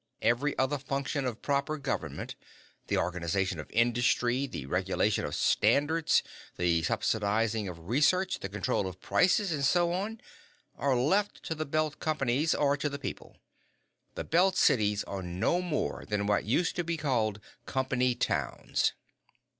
Every other function of proper government the organization of industry, the regulation of standards the subsidizing of research, the control of prices, and so on are left to the Belt Companies or to the people. The Belt Cities are no more than what used to be called 'company towns'."